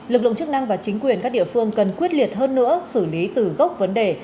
lực lượng chức năng và chính quyền các địa phương cần quyết liệt hơn nữa xử lý từ gốc vấn đề